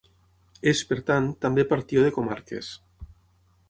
És, per tant, també partió de comarques.